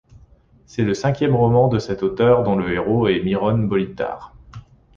C'est le cinquième roman de cet auteur dont le héros est Myron Bolitar.